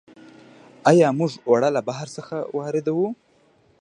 آیا موږ اوړه له بهر څخه واردوو؟